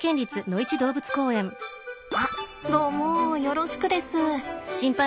あどうもよろしくです。